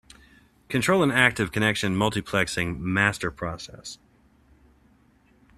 Control an active connection multiplexing master process.